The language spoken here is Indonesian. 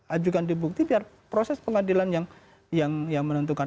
ajukan dibukti biar proses pengadilan yang menentukan